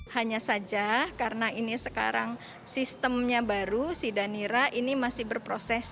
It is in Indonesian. hanya saja karena ini sekarang sistemnya baru sidanira ini masih berproses